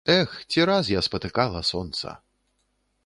Эх, ці раз я спатыкала сонца.